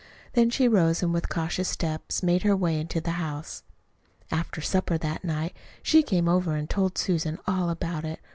Then she rose and with cautious steps made her way into the house. After supper that night she came over and told Susan all about it.